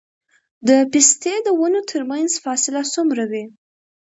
د پستې د ونو ترمنځ فاصله څومره وي؟